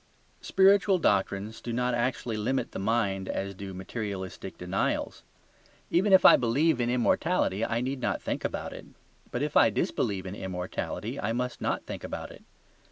Spiritual doctrines do not actually limit the mind as do materialistic denials. Even if I believe in immortality I need not think about it. But if I disbelieve in immortality I must not think about it.